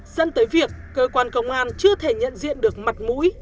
dẫn tới việc cơ quan công an chưa thể nhận diện được mặt mũi